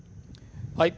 はい。